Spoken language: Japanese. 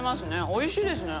おいしいですね。